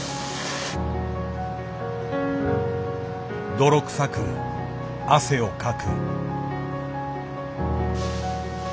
泥臭く汗をかく。